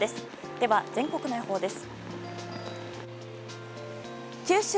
では、全国の予報です。